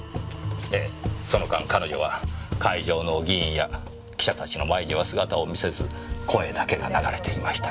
ええその間彼女は会場の議員や記者たちの前には姿を見せず声だけが流れていました。